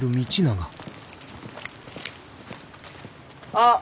あっ！